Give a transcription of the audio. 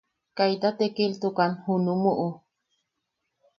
Kaita tekiltukan junumuʼu.